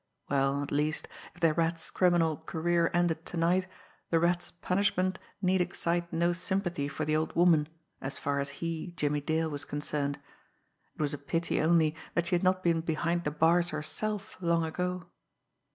Well, at least, if the Rat's criminal career ended to night, the Rat's punishment need excite no sympathy for the old woman, as far as he, Jimmie Dale, was concerned it was a pity only that she had not been behind the bars herself long ago!